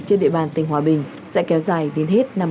trên địa bàn tỉnh hòa bình sẽ kéo dài đến hết năm hai nghìn hai mươi